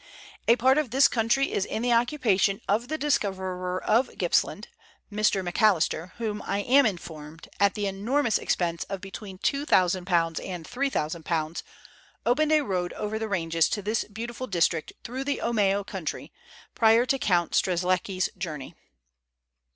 A part of this country is in the occupation of the discoverer of Gippsland, Mr. Macalister, whom, I am informed, at the enormous expense of between 2,000 and 3,000, opened a road over the ranges to this beautiful district through the Omeo country, prior to Count Strzelecki's journey.